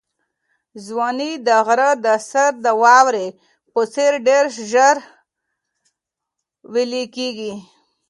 ځواني د غره د سر د واورې په څېر ډېر ژر ویلې کېږي.